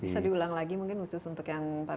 bisa diulang lagi mungkin khusus untuk yang baru